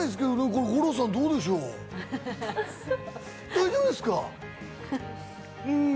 どうでしょう？